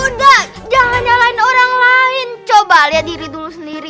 udah jangan nyalain orang lain coba lihat diri dulu sendiri